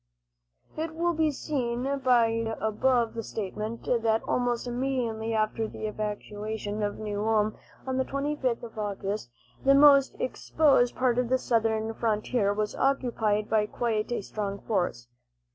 It will be seen by the above statement that almost immediately after the evacuation of New Ulm, on the 25th of August, the most exposed part of the southern frontier was occupied by quite a strong force.